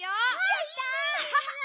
やった！